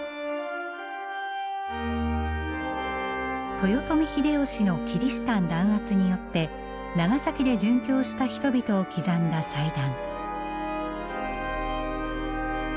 豊臣秀吉のキリシタン弾圧によって長崎で殉教した人々を刻んだ祭壇。